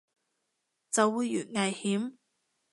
就會越危險